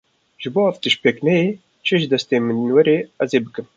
Ji bo ev tişt pêk neyê çi ji destên min were ez ê bikim.